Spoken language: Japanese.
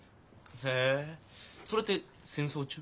へえそれって戦争中？